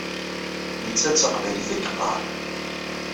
Netta d taqbaylit i yeqqaṛ.